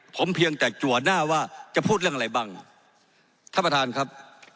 ผมเพียงแต่จัวหน้าว่าจะพูดเรื่องอะไรบ้างท่านประธานครับ